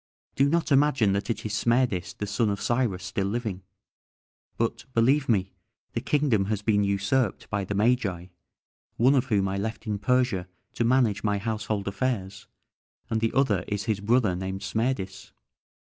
Do not imagine that it is Smerdis, the son of Cyrus, still living; but, believe me, the kingdom has been usurped by the Magi, one of whom I left in Persia to manage my household affairs, and the other is his brother named Smerdis."